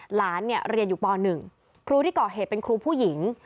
หลานเนี่ยเรียนอยู่ป๑ครูที่ก่อเหตุเป็นครูผู้หญิง